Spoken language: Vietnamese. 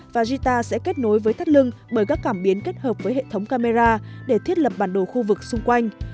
và gita sẽ kết nối với thắt lưng bởi các cảm biến kết hợp với hệ thống camera để thiết lập bản đồ khu vực xung quanh